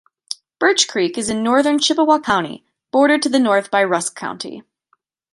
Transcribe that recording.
Birch Creek is in northern Chippewa County, bordered to the north by Rusk County.